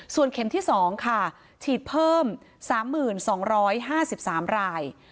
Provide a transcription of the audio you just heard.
ส่วนเข็มที่๒ค่ะฉีดเพิ่ม๓๒๕๓ราย